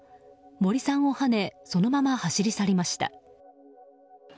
森さんをはねそのまま走り去りました。